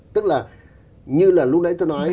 tức là như là lúc nãy tôi nói